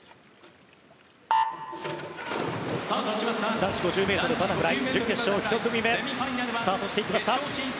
男子５０ｍバタフライ準決勝１組目スタートしていきました。